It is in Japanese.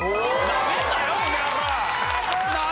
なめんなよ！